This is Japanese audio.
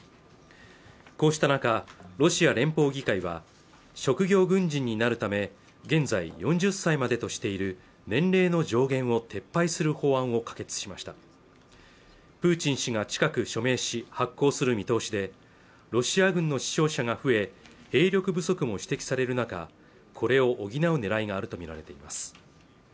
こうした中ロシア連邦議会は職業軍人になるため現在４０歳までとしている年齢の上限を撤廃する法案を可決しましたプーチン氏が近く署名し発効する見通しでロシア軍の死傷者が増え兵力不足も指摘される中これを補う狙いがあると見られています